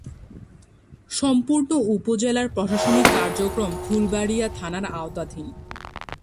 সম্পূর্ণ উপজেলার প্রশাসনিক কার্যক্রম ফুলবাড়িয়া থানার আওতাধীন।